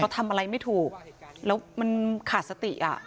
ทำอะไรไม่ถูกแล้วมันขาดสติอ่ะ